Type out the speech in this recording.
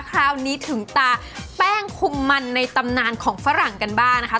คราวนี้ถึงตาแป้งคุมมันในตำนานของฝรั่งกันบ้างนะคะ